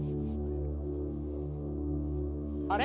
あれ？